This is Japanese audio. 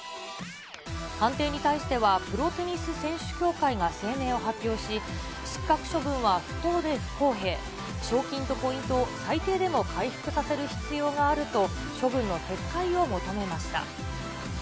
判定に対してはプロテニス選手協会が声明を発表し、失格処分は不当で不公平、賞金とポイントを最低でも回復させる必要があると、処分の撤回を求めました。